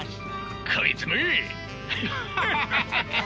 こいつめ！